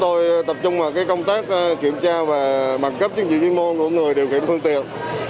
tập trung vào công tác kiểm tra và mặt cấp chứng dị viên môn của người điều khiển phương tiện